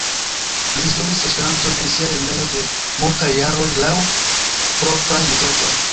Li instruis Esperanton en sia lernejo de multaj jaroj laŭ propraj metodoj.